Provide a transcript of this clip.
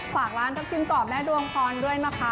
ฝากร้านทับทิมกรอบแม่ดวงพรด้วยนะคะ